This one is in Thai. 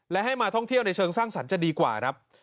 และให้มาท่องเที่ยวในเชิงสร้างสรรค์จะดีกว่าครับ